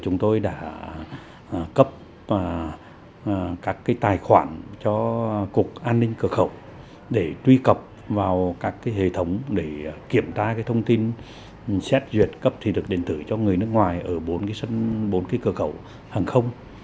chúng tôi đã cấp các tài khoản cho cục an ninh cửa khẩu để truy cập vào các hệ thống để kiểm tra thông tin xét duyệt cấp thị thực điện tử cho người nước ngoài ở bốn cửa khẩu hàng không